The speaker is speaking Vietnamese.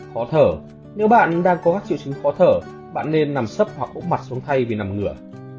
khó thở nếu bạn đang có các triệu chứng khó thở bạn nên nằm sấp hoặc út mặt xuống thay vì nằm ngửa